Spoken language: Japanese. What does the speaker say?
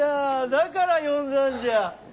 だから呼んだんじゃ。